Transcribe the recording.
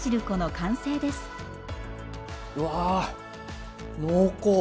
うわ濃厚！